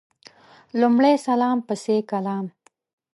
لمړی سلام پسي کلام